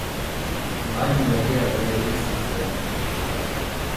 Bainu Berriak ere deitzen zitzaion.